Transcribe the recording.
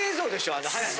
あの速さ。